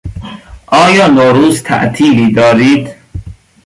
آیا نوروز تعطیلی دارید؟